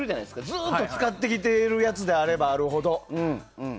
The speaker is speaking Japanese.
ずっと使ってきてるやつであればあるほど。